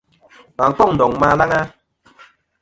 Wà n-kôŋ ndòŋ ma alaŋ a?